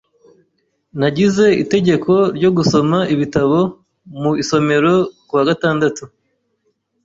Nagize itegeko ryo gusoma ibitabo mu isomero kuwa gatandatu.